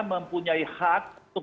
mempunyai hak untuk